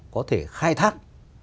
có thể khai thác